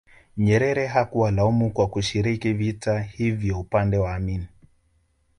Nyerere hakuwalaumu kwa kushiriki vita hivyo upande wa Amin